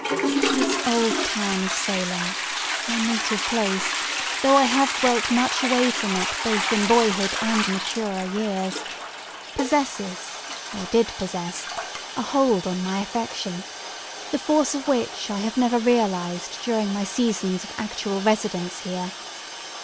This old town of Salem—my native place, though I have dwelt much away from it both in boyhood and maturer years—possesses, or did possess, a hold on my affection, the force of which I have never realized during my seasons of actual residence here.